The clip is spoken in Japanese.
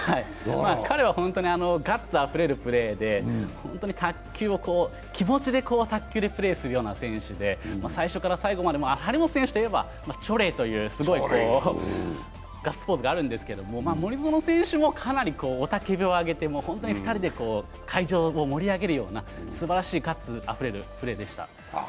彼はガッツあふれるプレーで気持ちで卓球をプレーする選手で最初から最後まで、張本選手といえばチョレイというすごいガッツポーズがあるんですけれども、森薗選手も雄たけびを上げて本当に２人で会場を盛り上げるようなすばらしい、ガッツあふれるプレーでした。